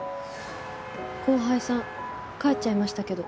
後輩さん帰っちゃいましたけど。